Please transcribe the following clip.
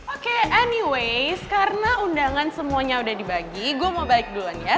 oke anyways karena undangan semuanya udah dibagi gue mau balik duluan ya